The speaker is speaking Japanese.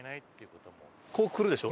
こうくるでしょ？